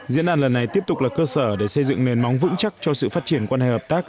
diễn đàn lần này tiếp tục là cơ sở để xây dựng nền móng vững chắc cho sự phát triển quan hệ hợp tác